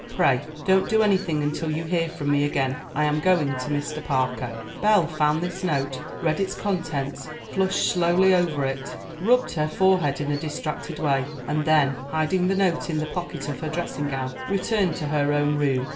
Pray, don't do anything until you hear from me again. I am going to Mr. Parker." Belle found this note, read its contents, flushed slowly all over, rubbed her forehead in a distracted way, and then, hiding the note in the pocket of her dressing gown, returned to her own room.